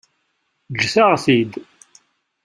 Ǧǧet-aɣ-t-id.